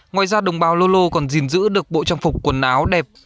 ngoài ra đồng bào lô lô còn gìn giữ được bộ trang phục quần áo đẹp